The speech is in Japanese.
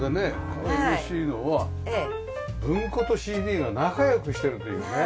これ嬉しいのは文庫とＣＤが仲良くしてるというね。